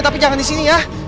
tapi jangan disini ya